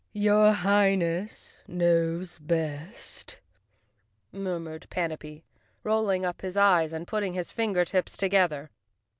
"Your Highness knows best," murmured Panapee, rolling up his eyes and putting his finger tips together.